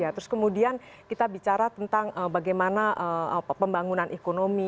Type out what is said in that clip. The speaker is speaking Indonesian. terus kemudian kita bicara tentang bagaimana pembangunan ekonomi